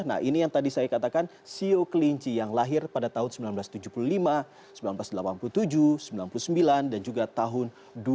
nah ini yang tadi saya katakan siu kelinci yang lahir pada tahun seribu sembilan ratus tujuh puluh lima seribu sembilan ratus delapan puluh tujuh seribu sembilan ratus sembilan puluh sembilan dan juga tahun dua ribu